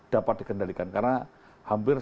dapat dikendalikan karena hampir